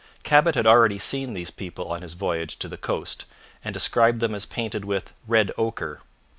Cabot had already seen these people on his voyage to the coast, and described them as painted with 'red ochre.'